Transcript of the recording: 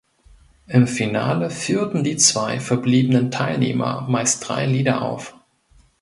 Im Finale führten die zwei verbliebenen Teilnehmer meist drei Lieder auf.